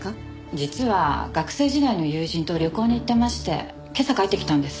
実は学生時代の友人と旅行に行ってまして今朝帰ってきたんです。